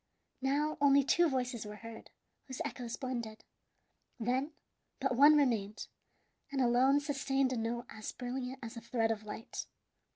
Now only two voices were heard, whose echoes blended. Then but one remained, and alone sustained a note as brilliant as a thread of light.